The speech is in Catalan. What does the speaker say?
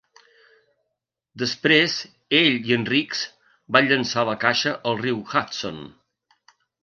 Després, ell i en Riggs van llançar la caixa al riu Hudson.